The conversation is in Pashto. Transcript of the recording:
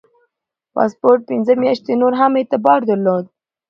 پاسپورت پنځه میاشتې نور هم اعتبار درلود.